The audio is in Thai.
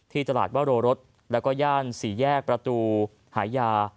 ที่ตลาดว่าโรรถและย่านสี่แยกประตูหายา